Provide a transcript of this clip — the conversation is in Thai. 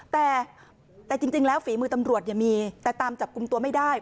แต่จริงแล้วฝีมือตำรวจมีแต่ตามจับกลุ่มตัวไม่ได้